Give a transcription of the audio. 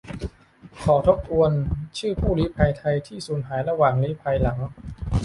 ขอทบทวนชื่อ ผู้ลี้ภัย ไทยที่สูญหายระหว่างลี้ภัยหลัง